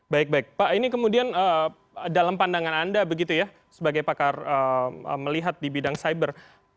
baik baik pak ini kemudian dalam pandangan anda begitu ya sebagai pakar melihat di bidang cyber